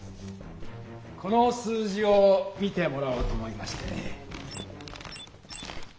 この数字を見てもらおうと思いましてね。